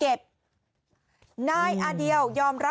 โอ้ยโอ้ยโอ้ยโอ้ยโอ้ย